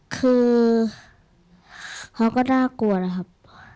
คือเขาก็น่ากลัวนะครับ